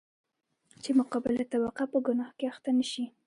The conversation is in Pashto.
چـې مـقابله طبـقه پـه ګنـاه کـې اخـتـه نـشي.